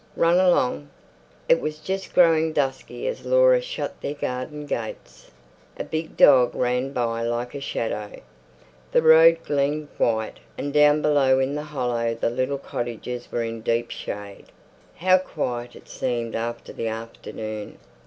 Run along." It was just growing dusky as Laura shut their garden gates. A big dog ran by like a shadow. The road gleamed white, and down below in the hollow the little cottages were in deep shade. How quiet it seemed after the afternoon.